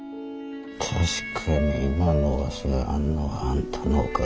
確かに今のわしがあんのはあんたのおかげや。